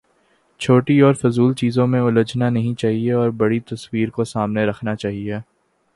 چھوٹی اور فضول چیزوں میں الجھنا نہیں چاہیے اور بڑی تصویر کو سامنے رکھنا چاہیے۔